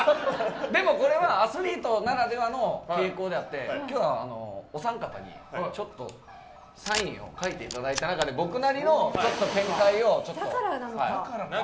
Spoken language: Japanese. でもこれはアスリートならではの傾向であって今日はお三方にサインを書いていただいた中で僕なりの見解をちょっと。